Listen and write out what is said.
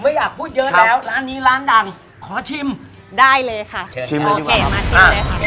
ไม่อยากพูดเยอะแล้วร้านนี้ร้านดังขอชิมได้เลยค่ะชิมเลยดีกว่า